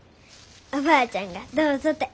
おばあちゃんがどうぞて。